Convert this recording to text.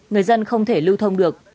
người dân không thể lưu thông được